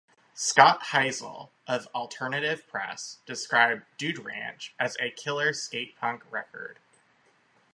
Scott Heisel of "Alternative Press" described "Dude Ranch" as "a killer skate-punk record".